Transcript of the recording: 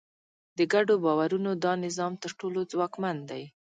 د ګډو باورونو دا نظام تر ټولو ځواکمن دی.